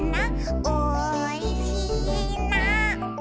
「おいしいな」